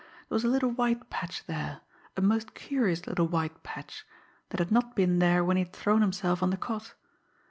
There was a little white patch there, a most curious little white patch that had not been there when he had thrown himself on the cot.